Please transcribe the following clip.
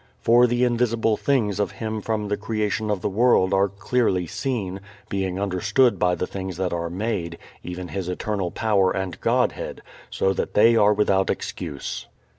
"For the invisible things of him from the creation of the world are clearly seen, being understood by the things that are made, even his eternal power and Godhead; so that they are without excuse."